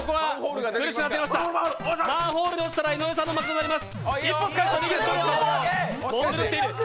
マンホールに落ちたら、井上さんの負けとなります。